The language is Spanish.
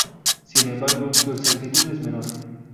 Sin embargo, su exactitud es menor.